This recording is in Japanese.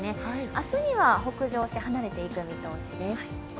明日には北上して離れていく見通しです。